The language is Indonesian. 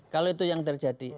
kalau itu yang terjadi